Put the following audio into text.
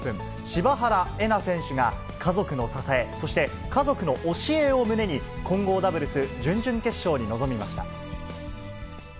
柴原瑛菜選手が、家族の支え、そして、家族の教えを胸に、混合ダブルス準々決勝に臨みました。